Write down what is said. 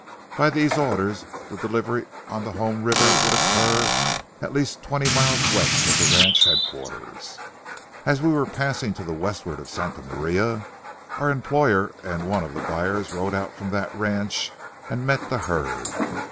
By these orders the delivery on the home river would occur at least twenty miles west of the ranch headquarters. As we were passing to the westward of Santa Maria, our employer and one of the buyers rode out from that ranch and met the herd.